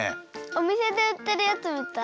おみせでうってるやつみたい。